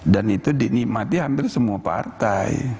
dan itu dinikmati hampir semua partai